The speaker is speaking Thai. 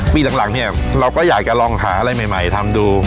ปีหลังเนี่ยเราก็อยากจะลองหาอะไรใหม่ทำดู